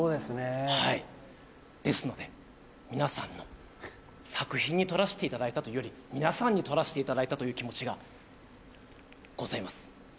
ですので皆さんの作品に取らせていただいたというより皆さんに取らせていただいたという気持ちがございます。